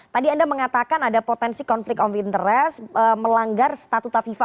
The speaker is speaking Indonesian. tadi anda mengatakan ada potensi konflik of interest melanggar statuta fifa